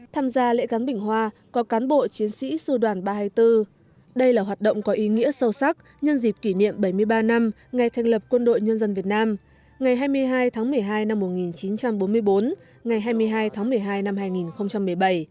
tham gia lễ gắn biển hoa có cán bộ chiến sĩ sư đoàn ba trăm hai mươi bốn đây là hoạt động có ý nghĩa sâu sắc nhân dịp kỷ niệm bảy mươi ba năm ngày thành lập quân đội nhân dân việt nam ngày hai mươi hai tháng một mươi hai năm một nghìn chín trăm bốn mươi bốn ngày hai mươi hai tháng một mươi hai năm hai nghìn một mươi bảy